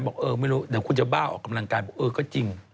บอกเออไม่รู้เดี๋ยวคุณจะบ้าออกกำลังกายบอกเออก็จริง